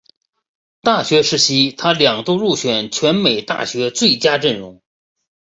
大学时期他两度入选全美大学最佳阵容。